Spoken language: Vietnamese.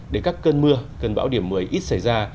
để các cơn mưa cơn bão điểm một mươi ít xảy ra